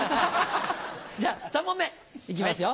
じゃあ３問目行きますよ。